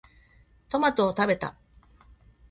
トマトを食べた。